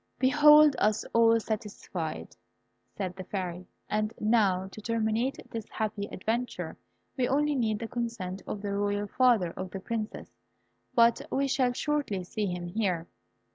"Behold us all satisfied," said the Fairy; "and now, to terminate this happy adventure, we only need the consent of the royal father of the Princess; but we shall shortly see him here."